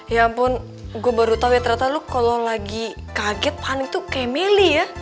ya ampun gue baru tau ya ternyata lo kalo lagi kaget panik tuh kayak melly ya